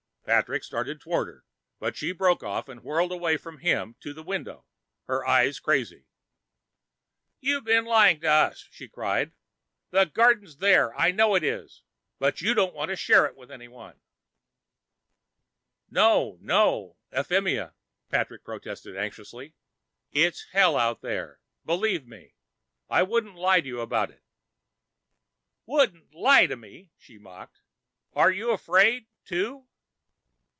Patrick started toward her, but she broke off and whirled away from him to the window, her eyes crazy. "You've been lying to us," she cried. "The garden's there. I know it is. But you don't want to share it with anyone." "No, no, Euphemia," Patrick protested anxiously. "It's hell out there, believe me. I wouldn't lie to you about it." "Wouldn't lie to me!" she mocked. "Are you afraid, too?"